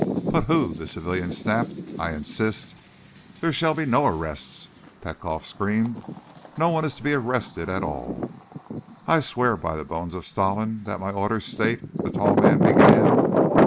"But who?" the civilian snapped. "I insist—" "There shall be no arrest!" Petkoff screamed. "No one is to be arrested at all!" "I swear by the bones of Stalin that my orders state—" the tall man began.